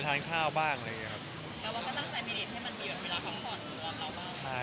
ที่ค่อยต้องใช้ปีเตท